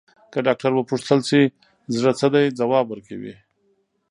که ډاکټر وپوښتل شي، زړه څه دی، ځواب ورکوي.